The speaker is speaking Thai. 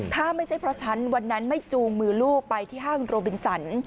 ถ้าไม่ใช่เพราะฉันวันนั้นไม่จูงมือลูกไปที่ห้างโรบินสัน